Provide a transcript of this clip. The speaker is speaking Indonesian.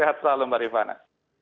sehat selalu mbak rifana